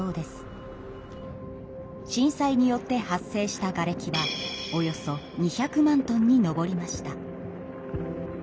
震災によって発生したがれきはおよそ２００万トンに上りました。